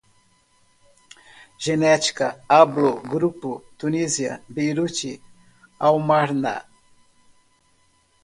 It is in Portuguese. genética, haplogrupo, Tunísia, Beirute, Amarna